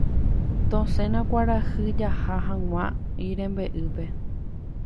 Tosẽna kuarahy jaha hag̃ua yrembe'ýpe.